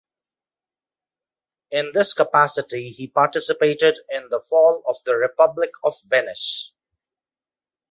In this capacity he participated in the fall of the Republic of Venice.